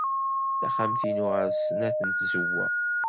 Taxxamt-inu ɣer-s snat n tzewwa.